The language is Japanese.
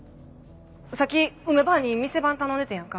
さっき梅ばあに店番頼んでたやんか。